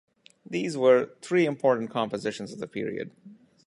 These were three important compositions of the period.